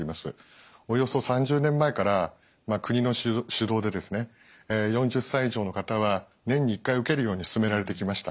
およそ３０年前から国の主導でですね４０歳以上の方は年に１回受けるようにすすめられてきました。